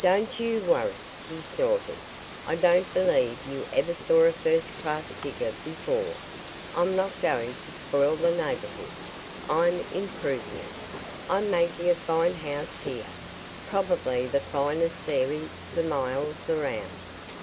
"Don't you worry!" he snorted. "I don't believe you ever saw a first class digger before. I'm not going to spoil the neighborhood. I'm improving it. I'm making a fine house here probably the finest there is for miles around."